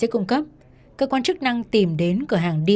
không có một cái thông tin